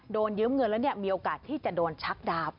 ยืมเงินแล้วมีโอกาสที่จะโดนชักดาบ